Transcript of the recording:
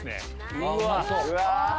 うわ！